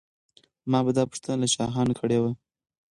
ما به دا پوښتنه له شاهانو کړې وي.